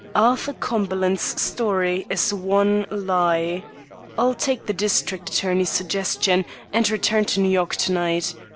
"Arthur Cumberland's story is one lie. I'll take the district attorney's suggestion and return to New York to night.